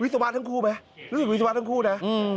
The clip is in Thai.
วะทั้งคู่ไหมรู้สึกวิศวะทั้งคู่นะ